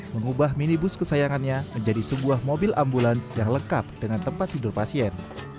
mengubah minibus kesayangannya menjadi sebuah mobil ambulans yang lengkap dengan tempat tidur pasien